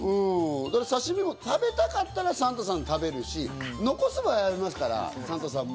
さしみも食べたかったらサンタさんは食べるし、残す場合ありますから、サンタさんも。